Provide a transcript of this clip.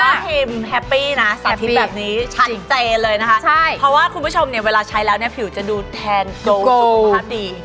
ทีมแฮปปี้นะสาธิตแบบนี้ชัดเจนเลยนะคะใช่เพราะว่าคุณผู้ชมเนี่ยเวลาใช้แล้วเนี่ยผิวจะดูแทนโดสุขภาพดี